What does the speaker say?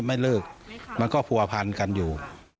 ไม่เลิกมันก็ผัวพันกันอยู่